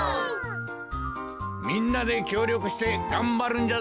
みんなできょうりょくしてがんばるんじゃぞ。